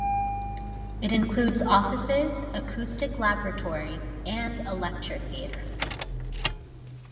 It includes offices, acoustic laboratories and a lecture theatre.